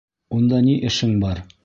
Унда ни эшең бар?